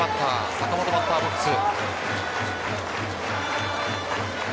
坂本、バッターボックス。